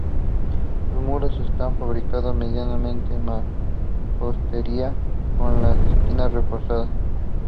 Sus muros están fabricados mediante mampostería, con las esquinas reforzadas.